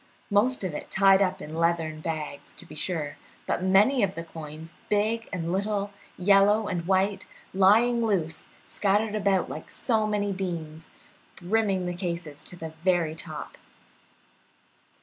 Most of it tied up in leathern bags, to be sure, but many of the coins, big and little, yellow and white, lying loose and scattered about like so many beans, brimming the cases to the very top.